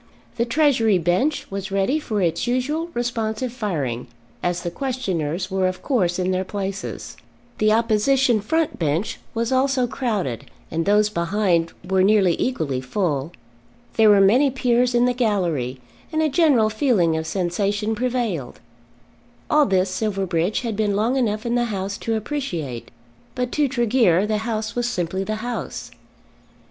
The Treasury bench was ready for its usual responsive firing, as the questioners were of course in their places. The opposition front bench was also crowded, and those behind were nearly equally full. There were many Peers in the gallery, and a general feeling of sensation prevailed. All this Silverbridge had been long enough in the House to appreciate; but to Tregear the House was simply the House.